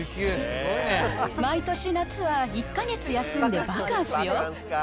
毎年夏は１か月休んでバカンスよ。